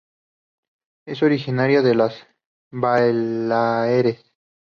Es originaria de las Baleares.